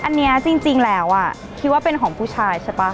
อันนี้จริงแล้วคิดว่าเป็นของผู้ชายใช่ป่ะ